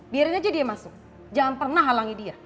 biarin aja dia masuk jangan pernah halangi dia